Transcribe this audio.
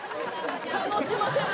楽しませる。